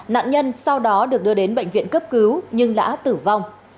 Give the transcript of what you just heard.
nạn nhân sau đó được đưa đến bệnh viện cấp cứu nhưng đã tử vong